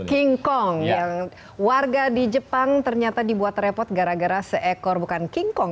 king kong yang warga di jepang ternyata dibuat repot gara gara seekor bukan king kong